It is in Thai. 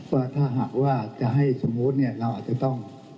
ว่าถ้าหากจะให้สมมุติเราจะต้อง